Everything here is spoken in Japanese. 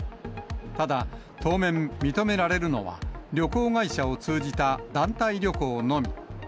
ただ、当面、認められるのは、旅行会社を通じた団体旅行のみ。